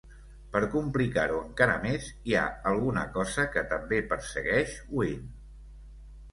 Per complicar-ho encara més, hi ha alguna cosa que també persegueix Wynn.